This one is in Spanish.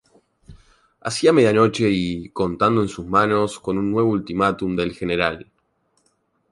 Hacia medianoche -y contando en sus manos con un nuevo ultimátum del Gral.